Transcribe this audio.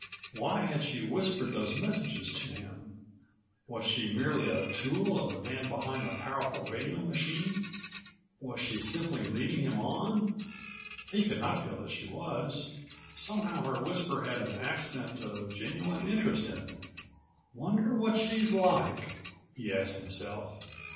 Why had she whispered those messages to him? Was she merely a tool of the man behind the powerful radio machine? Was she simply leading him on? He could not feel that she was. Somehow her whisper had an accent of genuine interest in it. "Wonder what she's like," he asked himself.